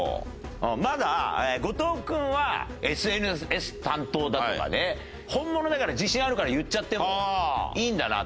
まだ後藤君はＳＮＳ担当だとかねホンモノだから自信あるから言っちゃってもいいんだなと。